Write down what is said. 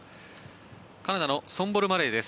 カナダのソンボル・マレーです。